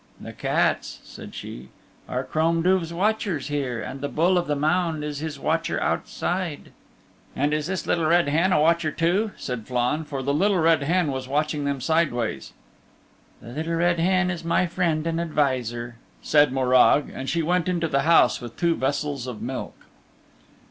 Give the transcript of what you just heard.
"The cats," said she, "are Crom Duv's watchers here and the Bull of the Mound is his watcher out side." "And is this Little Red Hen a watcher too?" said Flann, for the Little Red Hen was watching them sideways. "The Little Red Hen is my friend and adviser," Morag, and she went into the house with two vessels of milk.